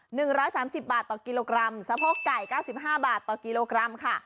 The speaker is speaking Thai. หนึ่งร้อยสามสิบบาทต่อกิโลกรัมสะโพกไก่เก้าสิบห้าบาทต่อกิโลกรัมค่ะ